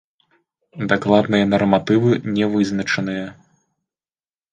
Дакладныя нарматывы не вызначаныя.